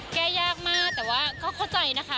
แก้ยากมากแต่ว่าก็เข้าใจนะคะ